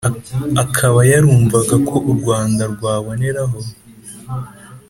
akaba yarumvaga ko u rwanda rwaboneraho